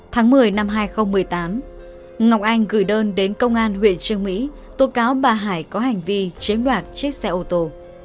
tháng một mươi năm hai nghìn một mươi tám ngọc anh gửi đơn đến công an huyện trương mỹ tố cáo bà hải có hành vi chiếm đoạt chiếc xe ô tô